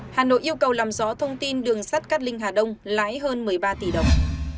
hà nội yêu cầu làm rõ thông tin đường sắt cát linh hà đông lái hơn một mươi ba tỷ đồng